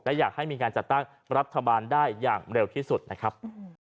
และอยากให้มีการจัดตั้งรัฐบาลได้อย่างเร็วที่สุดนะครับ